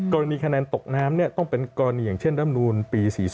กรณีคะแนนตกน้ำต้องเป็นกรณีอย่างเช่นร่ำนูลปี๔๔